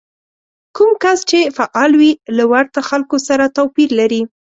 کوم کس چې فعال وي له ورته خلکو سره توپير لري.